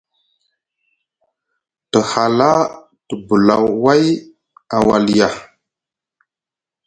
Te hala te bula vai a Walia.